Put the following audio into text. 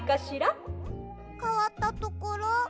かわったところ？